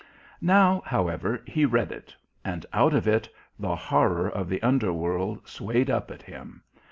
Now, however, he read it. And out of it, the horror of the underworld swayed up at him.